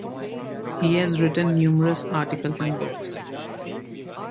He has written numerous articles and books.